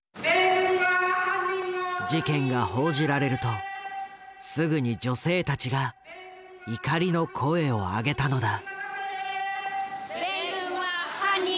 事件が報じられるとすぐに女性たちが怒りの声を上げたのだ。